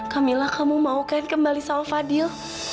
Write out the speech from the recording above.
kamilah kamu mau kan kembali sama fadil